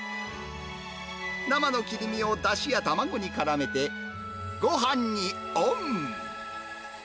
生の切り身をだしや卵にからめて、ごはんにオン。